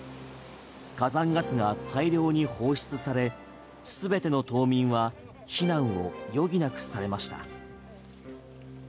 火山ガスが大量に放出され全ての島民は避難を余儀なくされました。